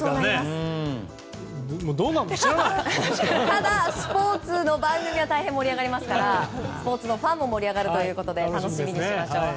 ただ、スポーツ番組は大変盛り上がりますからスポーツファンも盛り上がるということで楽しみにしましょう。